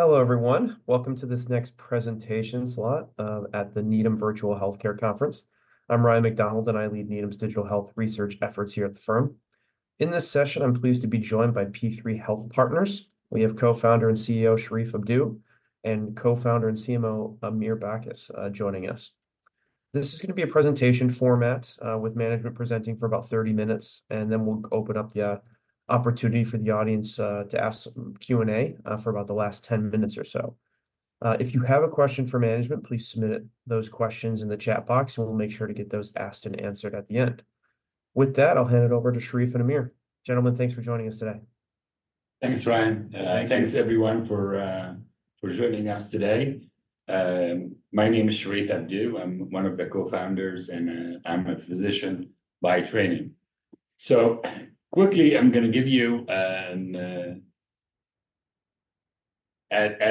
Hello everyone, welcome to this next presentation slot at the Needham Virtual Healthcare Conference. I'm Ryan MacDonald, and I lead Needham's digital health research efforts here at the firm. In this session, I'm pleased to be joined by P3 Health Partners. We have co-founder and CEO Sherif Abdou and co-founder and CMO Amir Bacchus joining us. This is going to be a presentation format with management presenting for about 30 minutes, and then we'll open up the opportunity for the audience to ask some Q&A for about the last 10 minutes or so. If you have a question for management, please submit those questions in the chat box, and we'll make sure to get those asked and answered at the end. With that, I'll hand it over to Sherif and Amir. Gentlemen, thanks for joining us today. Thanks, Ryan, and thanks everyone for joining us today. My name is Sherif Abdou. I'm one of the co-founders, and I'm a physician by training. So quickly, I'm going to give you at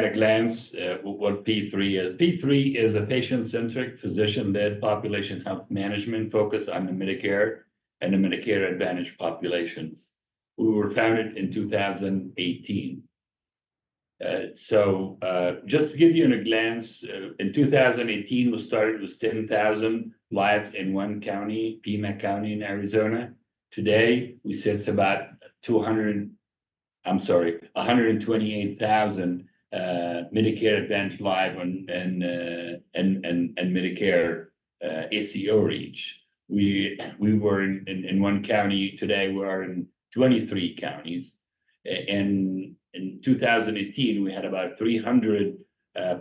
a glance what P3 is. P3 is a patient-centric physician-led population health management focus on the Medicare and the Medicare Advantage populations. We were founded in 2018. So just to give you a glance, in 2018, we started with 10,000 lives in one county, Pima County in Arizona. Today, we sit at about 200, I'm sorry, 128,000 Medicare Advantage lives and Medicare ACO REACH. We were in one county. Today, we are in 23 counties. In 2018, we had about 300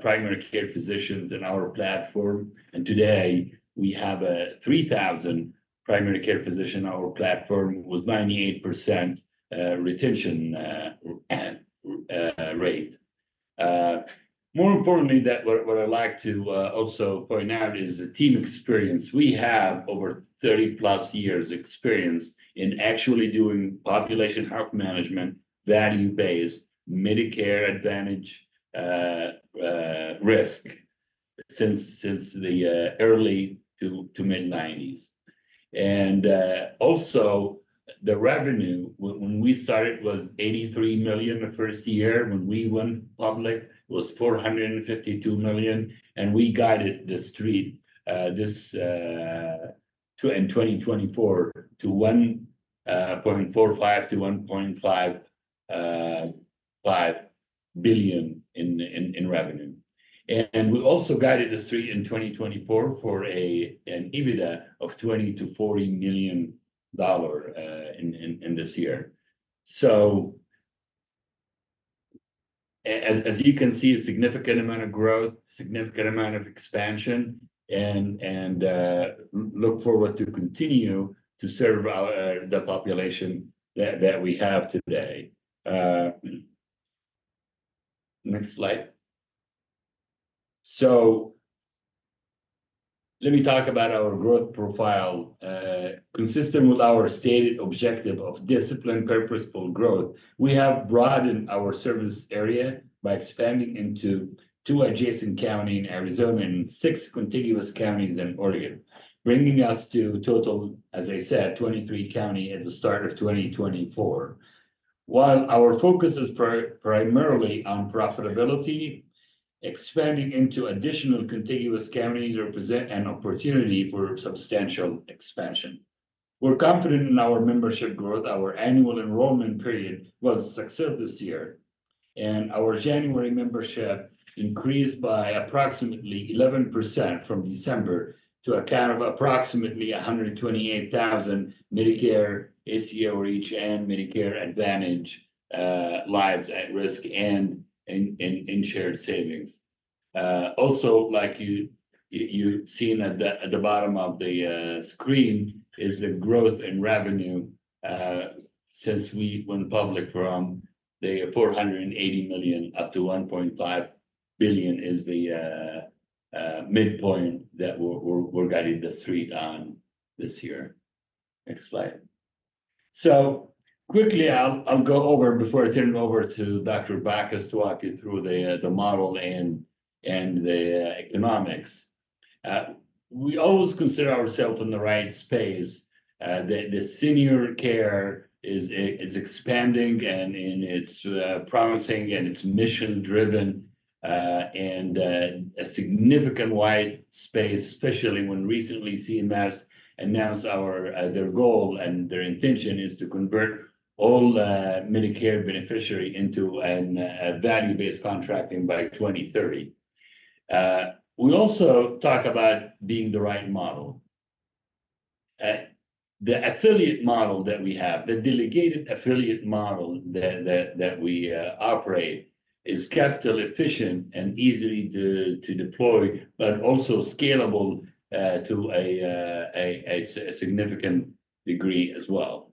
primary care physicians in our platform. And today, we have 3,000 primary care physicians in our platform with 98% retention rate. More importantly, what I'd like to also point out is the team experience. We have over 30+ years' experience in actually doing population health management, value-based, Medicare Advantage risk since the early to mid-1990s. Also, the revenue when we started was $83 million the first year. When we went public, it was $452 million. We guided the street in 2024 to $1.45 billion-$1.5 billion in revenue. We also guided the street in 2024 for an EBITDA of $20 million-$40 million in this year. So as you can see, a significant amount of growth, significant amount of expansion, and look forward to continuing to serve the population that we have today. Next slide. So let me talk about our growth profile. Consistent with our stated objective of disciplined, purposeful growth, we have broadened our service area by expanding into 2 adjacent counties in Arizona and 6 contiguous counties in Oregon, bringing us to a total, as I said, 23 counties at the start of 2024. While our focus is primarily on profitability, expanding into additional contiguous counties represents an opportunity for substantial expansion. We're confident in our membership growth. Our annual enrollment period was successful this year, and our January membership increased by approximately 11% from December to account of approximately 128,000 Medicare ACO REACH and Medicare Advantage lives at risk and in shared savings. Also, like you've seen at the bottom of the screen, is the growth in revenue since we went public from the $480 million up to $1.5 billion is the midpoint that we're guiding the street on this year. Next slide. So quickly, I'll go over before I turn it over to Dr. Bacchus to walk you through the model and the economics. We always consider ourselves in the right space. The senior care is expanding and it's promising and it's mission-driven and a significant white space, especially when recently CMS announced their goal and their intention is to convert all Medicare beneficiaries into value-based contracting by 2030. We also talk about being the right model. The affiliate model that we have, the delegated affiliate model that we operate, is capital-efficient and easy to deploy, but also scalable to a significant degree as well.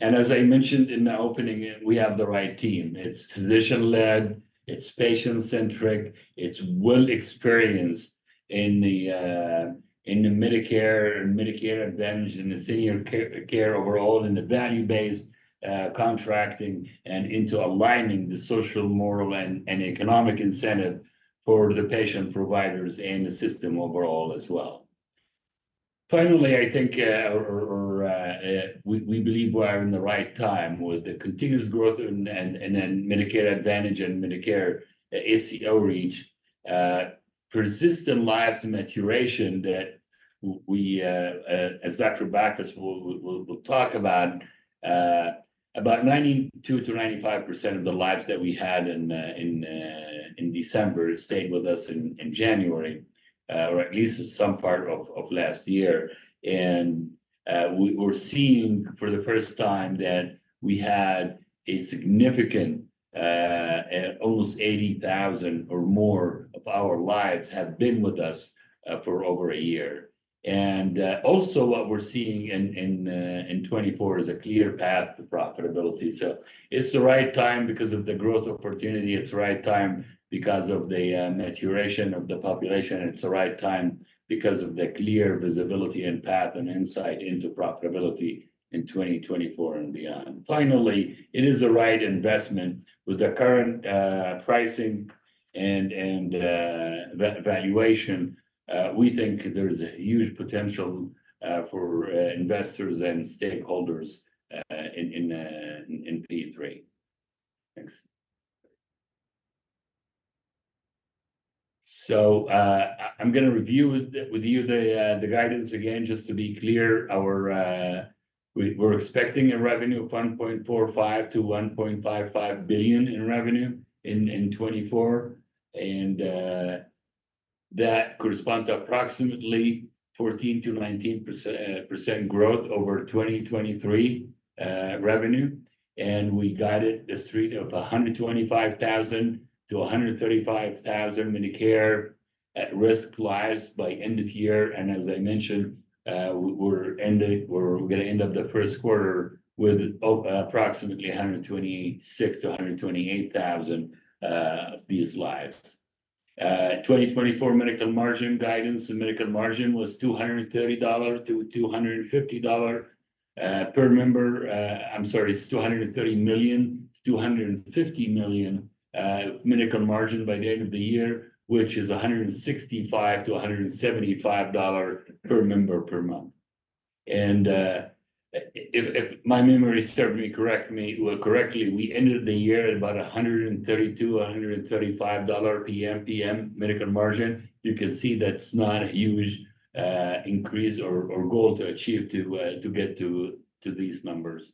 And as I mentioned in the opening, we have the right team. It's physician-led, it's patient-centric, it's well-experienced in the Medicare and Medicare Advantage and the senior care overall in the value-based contracting and into aligning the social, moral, and economic incentive for the patient providers and the system overall as well. Finally, I think we believe we are in the right time with the continuous growth and then Medicare Advantage and Medicare ACO REACH, persistent lives maturation that we, as Dr. Bacchus will talk about, about 92%-95% of the lives that we had in December stayed with us in January or at least some part of last year. And we're seeing for the first time that we had a significant almost 80,000 or more of our lives have been with us for over a year. And also what we're seeing in 2024 is a clear path to profitability. So it's the right time because of the growth opportunity. It's the right time because of the maturation of the population. It's the right time because of the clear visibility and path and insight into profitability in 2024 and beyond. Finally, it is the right investment. With the current pricing and valuation, we think there is a huge potential for investors and stakeholders in P3. Thanks. So I'm going to review with you the guidance again. Just to be clear, we're expecting a revenue of $1.45-$1.55 billion in revenue in 2024. And that corresponds to approximately 14%-19% growth over 2023 revenue. And we guided the street of 125,000-135,000 Medicare at-risk lives by end of year. And as I mentioned, we're going to end up the first quarter with approximately 126,000-128,000 of these lives. 2024 medical margin guidance and medical margin was $230-$250 per member. I'm sorry, it's $230 million-$250 million medical margin by the end of the year, which is $165-$175 per member per month. And if my memory serves me correctly, we ended the year at about $132-$135 PM medical margin. You can see that's not a huge increase or goal to achieve to get to these numbers.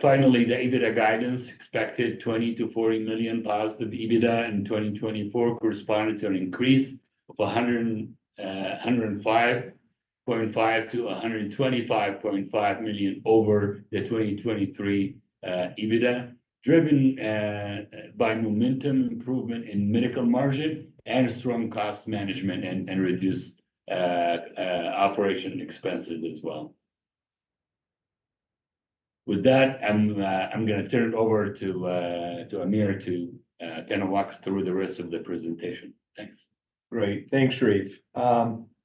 Finally, the EBITDA guidance expected $20 million-$40 million positive EBITDA in 2024 corresponded to an increase of $105.5 million-$125.5 million over the 2023 EBITDA, driven by momentum improvement in medical margin and strong cost management and reduced operation expenses as well. With that, I'm going to turn it over to Amir to kind of walk through the rest of the presentation. Thanks. Great. Thanks, Sherif.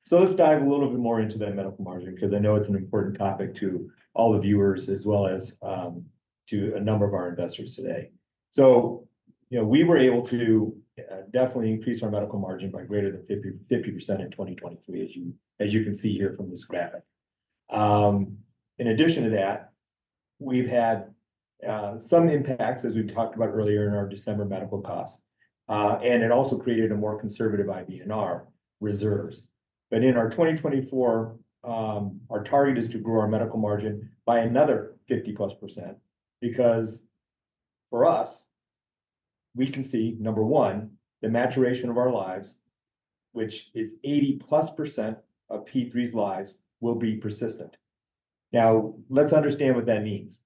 So let's dive a little bit more into that medical margin because I know it's an important topic to all the viewers as well as to a number of our investors today. So we were able to definitely increase our medical margin by greater than 50% in 2023, as you can see here from this graphic. In addition to that, we've had some impacts, as we've talked about earlier in our December medical costs. And it also created a more conservative IBNR reserves. But in our 2024, our target is to grow our medical margin by another 50+% because for us, we can see, number one, the maturation of our lives, which is 80+% of P3's lives, will be persistent. Now, let's understand what that means.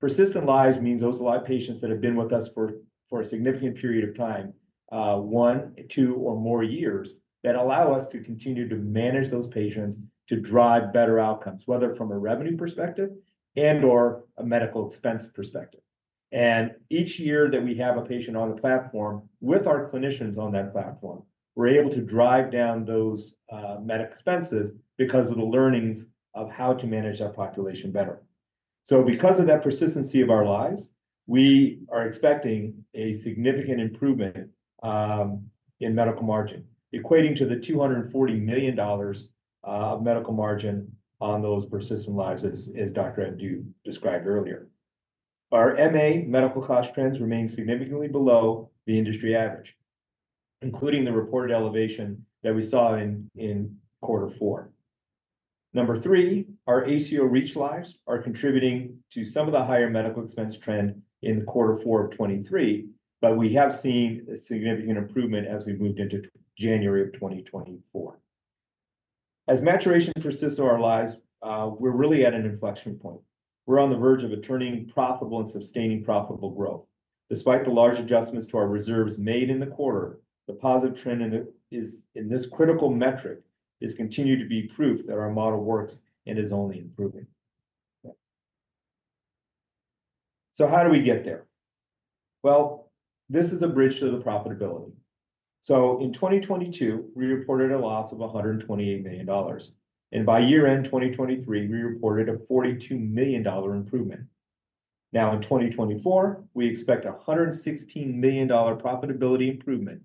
Persistent lives means those live patients that have been with us for a significant period of time, one, two, or more years, that allow us to continue to manage those patients to drive better outcomes, whether from a revenue perspective and/or a medical expense perspective. Each year that we have a patient on the platform with our clinicians on that platform, we're able to drive down those med expenses because of the learnings of how to manage that population better. So because of that persistency of our lives, we are expecting a significant improvement in medical margin, equating to the $240 million of medical margin on those persistent lives, as Dr. Abdou described earlier. Our MA medical cost trends remain significantly below the industry average, including the reported elevation that we saw in quarter four. Number 3, our ACO REACH lives are contributing to some of the higher medical expense trend in quarter four of 2023, but we have seen a significant improvement as we moved into January of 2024. As maturation persists in our lives, we're really at an inflection point. We're on the verge of turning profitable and sustaining profitable growth. Despite the large adjustments to our reserves made in the quarter, the positive trend in this critical metric is continuing to be proof that our model works and is only improving. So how do we get there? Well, this is a bridge to the profitability. So in 2022, we reported a loss of $128 million. And by year-end 2023, we reported a $42 million improvement. Now, in 2024, we expect a $116 million profitability improvement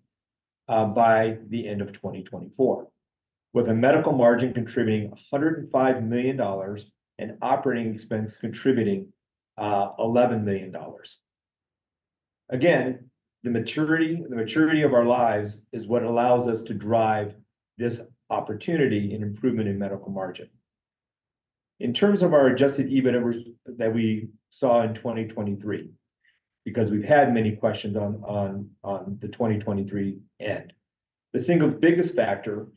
by the end of 2024, with a Medical Margin contributing $105 million and operating expense contributing $11 million. Again, the maturity of our lives is what allows us to drive this opportunity in improvement in Medical Margin. In terms of our Adjusted EBITDA that we saw in 2023, because we've had many questions on the 2023 end, the single biggest factor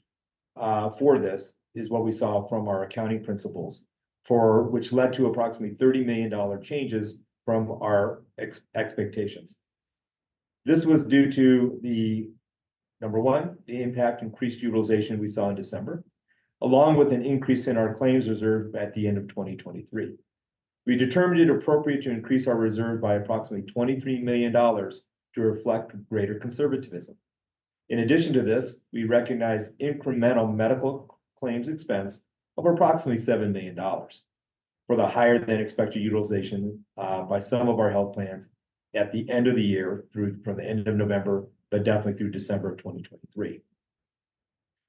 for this is what we saw from our accounting principles, which led to approximately $30 million changes from our expectations. This was due to, number one, the impact increased utilization we saw in December, along with an increase in our claims reserve at the end of 2023. We determined it appropriate to increase our reserve by approximately $23 million to reflect greater conservatism. In addition to this, we recognize incremental medical claims expense of approximately $7 million for the higher-than-expected utilization by some of our health plans at the end of the year from the end of November, but definitely through December of 2023.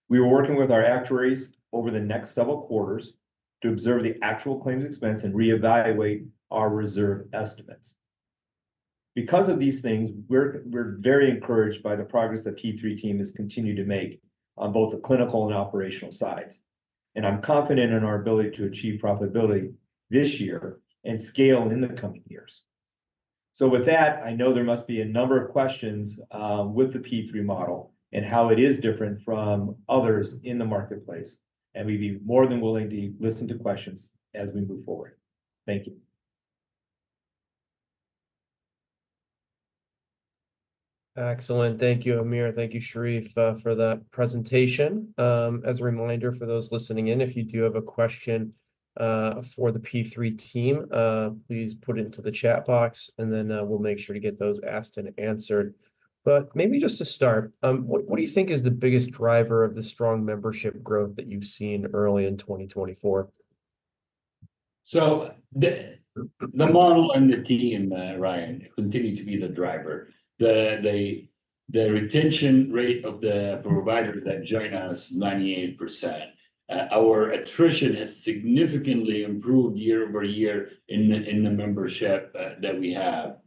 We were working with our actuaries over the next several quarters to observe the actual claims expense and reevaluate our reserve estimates. Because of these things, we're very encouraged by the progress the P3 team has continued to make on both the clinical and operational sides. I'm confident in our ability to achieve profitability this year and scale in the coming years. With that, I know there must be a number of questions with the P3 model and how it is different from others in the marketplace. We'd be more than willing to listen to questions as we move forward. Thank you. Excellent. Thank you, Amir. Thank you, Sherif, for that presentation. As a reminder for those listening in, if you do have a question for the P3 team, please put it into the chat box, and then we'll make sure to get those asked and answered. Maybe just to start, what do you think is the biggest driver of the strong membership growth that you've seen early in 2024? So the model and the team, Ryan, continue to be the driver. The retention rate of the providers that join us, 98%. Our attrition has significantly improved year-over-year in the membership that we have.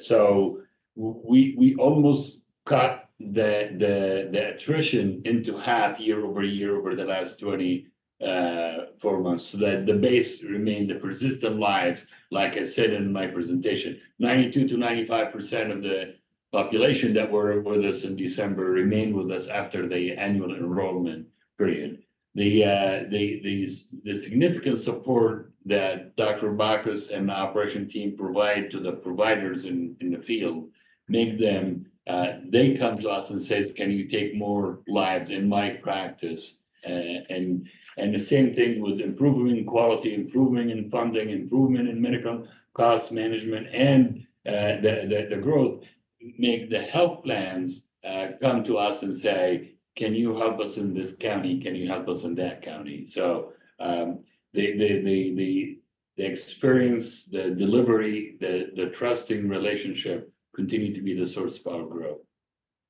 So we almost cut the attrition into half year-over-year over the last 24 months so that the base remained the persistent lives, like I said in my presentation. 92%-95% of the population that were with us in December remained with us after the annual enrollment period. The significant support that Dr. Bacchus and the operation team provide to the providers in the field. They come to us and say, "Can you take more lives in my practice?" And the same thing with improving quality, improving in funding, improvement in medical cost management, and the growth make the health plans come to us and say, "Can you help us in this county? Can you help us in that county?" So the experience, the delivery, the trusting relationship continue to be the source of our growth.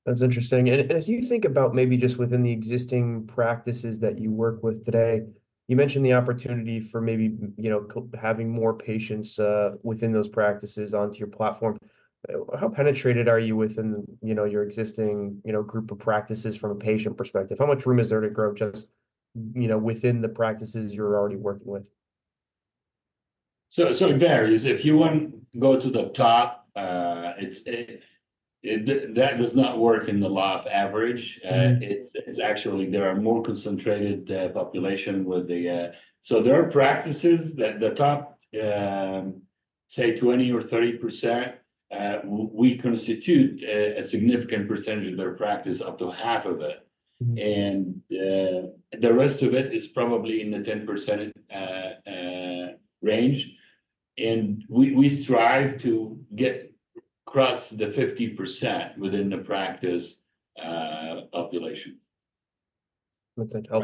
That's interesting. As you think about maybe just within the existing practices that you work with today, you mentioned the opportunity for maybe having more patients within those practices onto your platform. How penetrated are you within your existing group of practices from a patient perspective? How much room is there to grow just within the practices you're already working with? So it varies. If you want to go to the top, that does not work in the lifetime average. Actually, there are more concentrated population with, so there are practices at the top, say, 20% or 30%, we constitute a significant percentage of their practice, up to half of it. The rest of it is probably in the 10% range. We strive to cross the 50% within the practice population. That's helpful.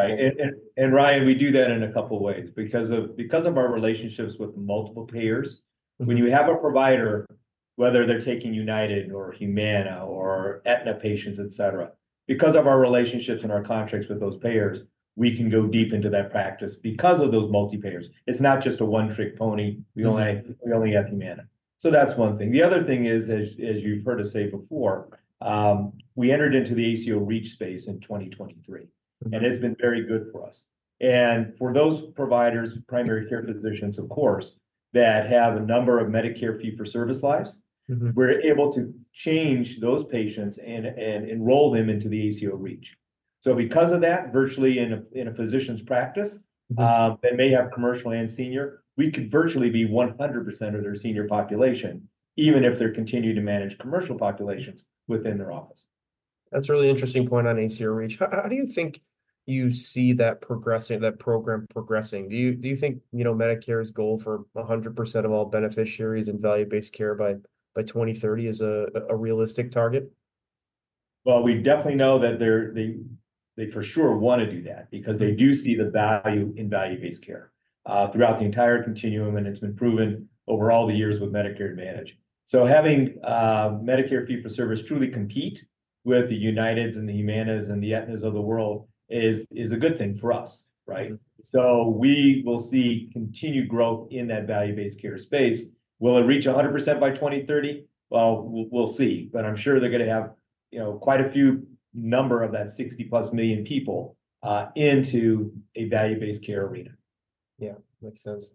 And Ryan, we do that in a couple of ways because of our relationships with multiple payers. When you have a provider, whether they're taking United or Humana or Aetna patients, etc., because of our relationships and our contracts with those payers, we can go deep into that practice because of those multi-payers. It's not just a one-trick pony. We only have Humana. So that's one thing. The other thing is, as you've heard us say before, we entered into the ACO REACH space in 2023, and it's been very good for us. For those providers, primary care physicians, of course, that have a number of Medicare Fee-for-Service lives, we're able to change those patients and enroll them into the ACO REACH. Because of that, virtually in a physician's practice, they may have commercial and senior, we could virtually be 100% of their senior population, even if they continue to manage commercial populations within their office. That's a really interesting point on ACO REACH. How do you think you see that program progressing? Do you think Medicare's goal for 100% of all beneficiaries in value-based care by 2030 is a realistic target? Well, we definitely know that they for sure want to do that because they do see the value in value-based care throughout the entire continuum, and it's been proven over all the years with Medicare Advantage. So having Medicare Fee-for-Service truly compete with the Uniteds and the Humanas and the Aetnas of the world is a good thing for us, right? So we will see continued growth in that value-based care space. Will it reach 100% by 2030? Well, we'll see. But I'm sure they're going to have quite a few number of that 60+ million people into a value-based care arena. Yeah. Makes sense.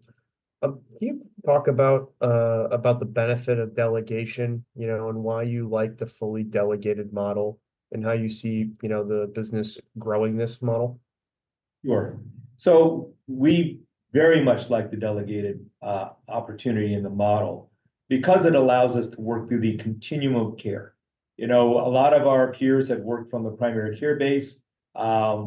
Can you talk about the benefit of delegation and why you like the fully delegated model and how you see the business growing this model? Sure. So we very much like the delegated opportunity in the model because it allows us to work through the continuum of care. A lot of our peers have worked from the primary care base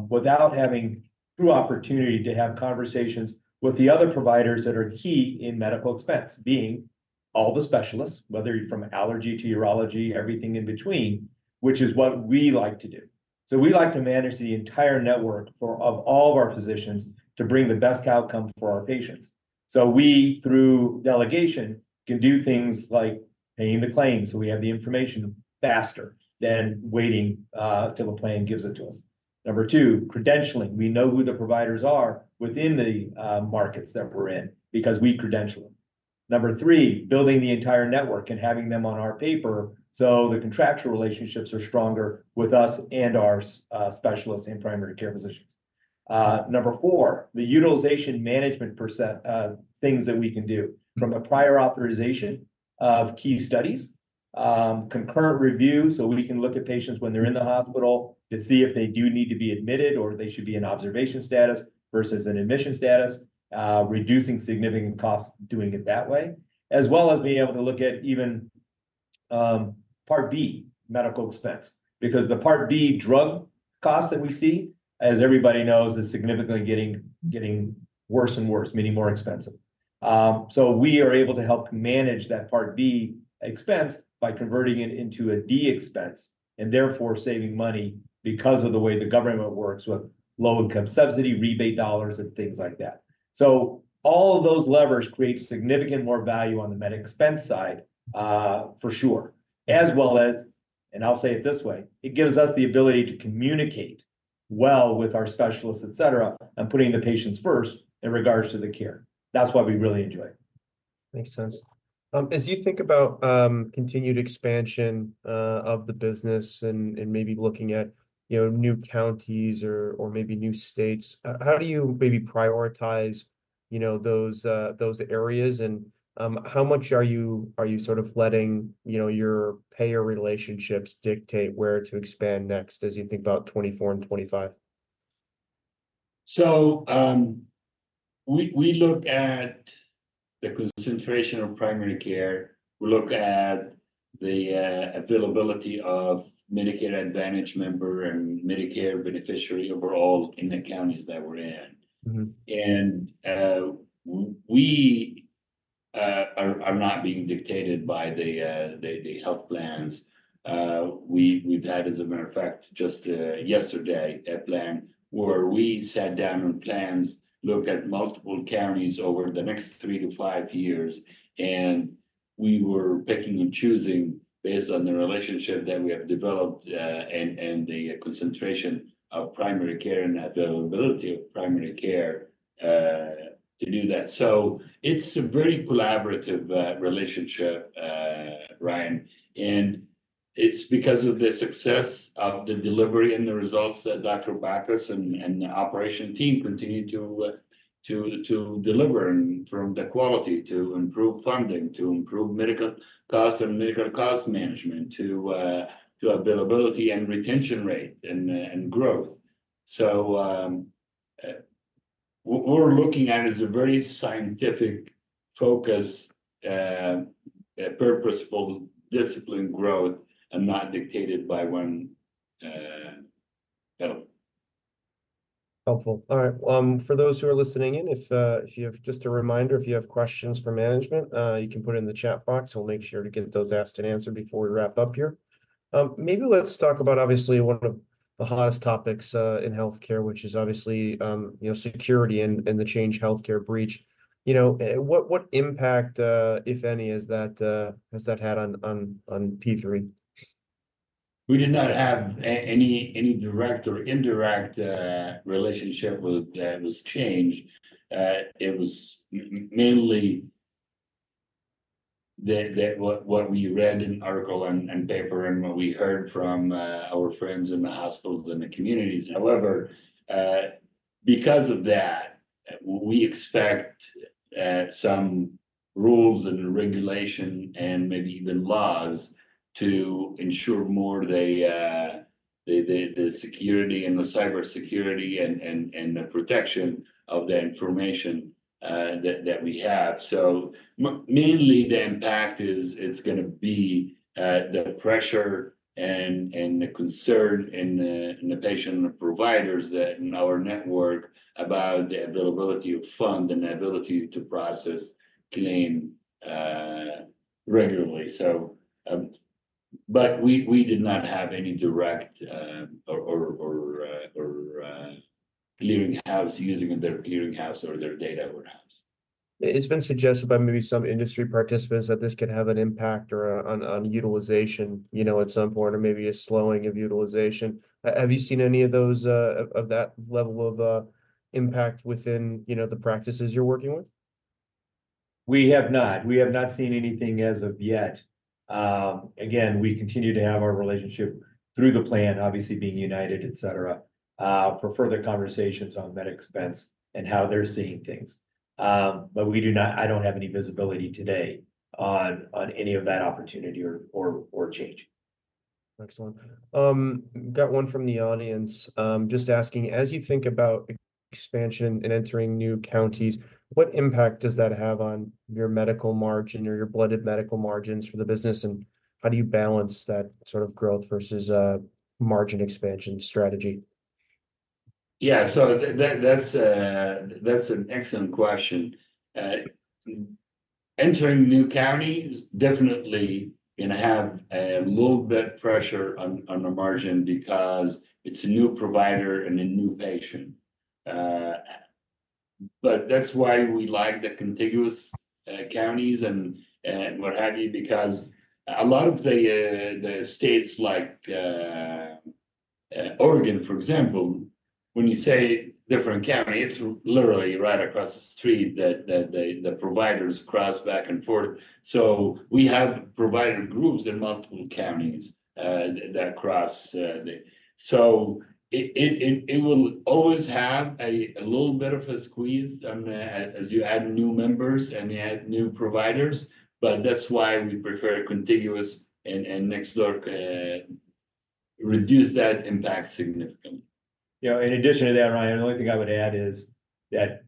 without having true opportunity to have conversations with the other providers that are key in medical expense, being all the specialists, whether you're from allergy to urology, everything in between, which is what we like to do. So we like to manage the entire network of all of our physicians to bring the best outcome for our patients. So we, through delegation, can do things like paying the claim so we have the information faster than waiting till the plan gives it to us. Number two, credentialing. We know who the providers are within the markets that we're in because we credential them. Number 3, building the entire network and having them on our paper so the contractual relationships are stronger with us and our specialists and primary care physicians. Number 4, the utilization management things that we can do from a prior authorization of key studies, concurrent review so we can look at patients when they're in the hospital to see if they do need to be admitted or they should be in observation status versus an admission status, reducing significant costs doing it that way, as well as being able to look at even Part B medical expense because the Part B drug costs that we see, as everybody knows, is significantly getting worse and worse, meaning more expensive. So we are able to help manage that Part B expense by converting it into a Part D expense and therefore saving money because of the way the government works with low-income subsidy, rebate dollars, and things like that. So all of those levers create significant more value on the med expense side, for sure, as well as, and I'll say it this way, it gives us the ability to communicate well with our specialists, etc., and putting the patients first in regards to the care. That's why we really enjoy it. Makes sense. As you think about continued expansion of the business and maybe looking at new counties or maybe new states, how do you maybe prioritize those areas, and how much are you sort of letting your payer relationships dictate where to expand next as you think about 2024 and 2025? So we look at the concentration of primary care. We look at the availability of Medicare Advantage member and Medicare beneficiary overall in the counties that we're in. And we are not being dictated by the health plans. We've had, as a matter of fact, just yesterday a plan where we sat down and plans, looked at multiple counties over the next 3-5 years, and we were picking and choosing based on the relationship that we have developed and the concentration of primary care and availability of primary care to do that. So it's a very collaborative relationship, Ryan. And it's because of the success of the delivery and the results that Dr. Bacchus and the operation team continue to deliver from the quality to improve funding, to improve medical cost and medical cost management, to availability and retention rate and growth. What we're looking at is a very scientific focus, purposeful discipline growth and not dictated by one health. Helpful. All right. For those who are listening in, just a reminder, if you have questions for management, you can put it in the chat box. We'll make sure to get those asked and answered before we wrap up here. Maybe let's talk about, obviously, one of the hottest topics in healthcare, which is obviously security and the Change Healthcare breach. What impact, if any, has that had on P3? We did not have any direct or indirect relationship with Change. It was mainly what we read in article and paper and what we heard from our friends in the hospitals and the communities. However, because of that, we expect some rules and regulation and maybe even laws to ensure more of the security and the cybersecurity and the protection of the information that we have. So mainly, the impact is it's going to be the pressure and the concern in the patient and providers in our network about the availability of fund and the ability to process claim regularly. But we did not have any direct or clearinghouse using their clearinghouse or their data warehouse. It's been suggested by maybe some industry participants that this could have an impact on utilization at some point or maybe a slowing of utilization. Have you seen any of that level of impact within the practices you're working with? We have not. We have not seen anything as of yet. Again, we continue to have our relationship through the plan, obviously being United, etc., for further conversations on med expense and how they're seeing things. But I don't have any visibility today on any of that opportunity or change. Excellent. Got one from the audience just asking, as you think about expansion and entering new counties, what impact does that have on your medical margin or your blended medical margins for the business, and how do you balance that sort of growth versus margin expansion strategy? Yeah. So that's an excellent question. Entering new counties definitely going to have a little bit pressure on the margin because it's a new provider and a new patient. But that's why we like the contiguous counties and what have you because a lot of the states like Oregon, for example, when you say different county, it's literally right across the street that the providers cross back and forth. So we have provider groups in multiple counties that cross the so it will always have a little bit of a squeeze as you add new members and you add new providers. But that's why we prefer contiguous and next-door reduce that impact significantly. Yeah. In addition to that, Ryan, the only thing I would add is that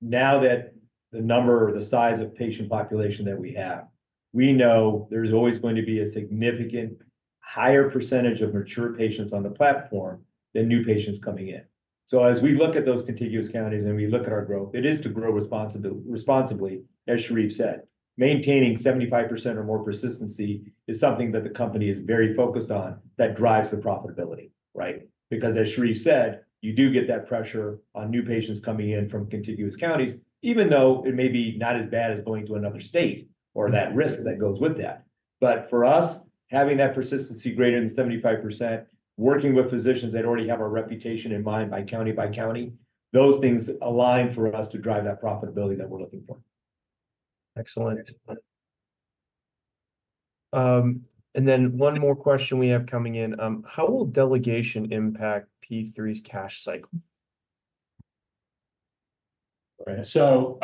now that the number or the size of patient population that we have, we know there's always going to be a significant higher percentage of mature patients on the platform than new patients coming in. So as we look at those contiguous counties and we look at our growth, it is to grow responsibly, as Sherif said. Maintaining 75% or more persistency is something that the company is very focused on that drives the profitability, right? Because as Sherif said, you do get that pressure on new patients coming in from contiguous counties, even though it may be not as bad as going to another state or that risk that goes with that. But for us, having that persistency greater than 75%, working with physicians that already have our reputation in mind by county by county, those things align for us to drive that profitability that we're looking for. Excellent. Then one more question we have coming in. How will delegation impact P3's cash cycle? All right. So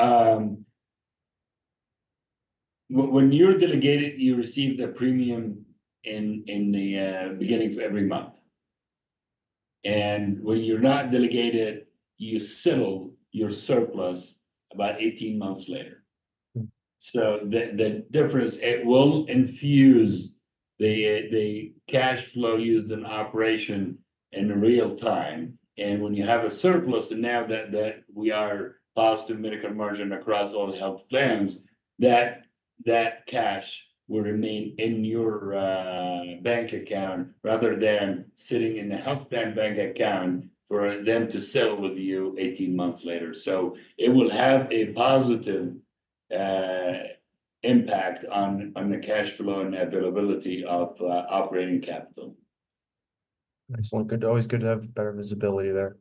when you're delegated, you receive the premium in the beginning of every month. When you're not delegated, you settle your surplus about 18 months later. The difference, it will infuse the cash flow used in operation in real time. When you have a surplus and now that we are positive medical margin across all health plans, that cash will remain in your bank account rather than sitting in the health plan bank account for them to settle with you 18 months later. It will have a positive impact on the cash flow and the availability of operating capital. Excellent. Always good to have better visibility there.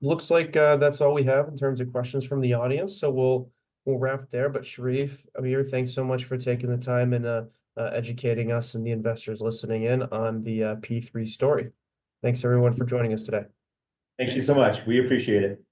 Looks like that's all we have in terms of questions from the audience. So we'll wrap there. But Sherif, Amir, thanks so much for taking the time and educating us and the investors listening in on the P3 story. Thanks, everyone, for joining us today. Thank you so much. We appreciate it.